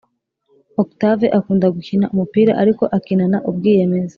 octave akunda gukina umupira ariko akinana ubwiyemezi